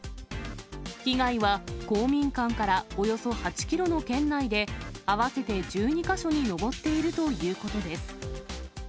被害は公民館からおよそ８キロの圏内で合わせて１２か所に上っているということです。